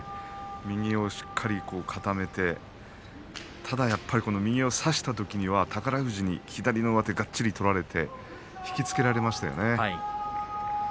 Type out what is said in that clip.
右をしっかり固めてただ、やっぱり右を差したときには宝富士に左の上手をがっちり取られて引き付けられましたね。